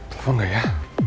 telfon gak ya